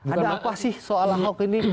ada apa sih soal ahok ini